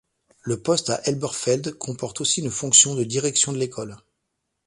Le poste à Elberfeld, comporte aussi une fonction de direction de l'école.